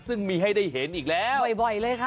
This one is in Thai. ซึ่งมีให้ได้เห็นอีกแล้วบ่อยเลยค่ะ